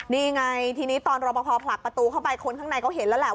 นี่ไงทีนี้ตอนรอปภผลักประตูเข้าไปคนข้างในก็เห็นแล้วแหละ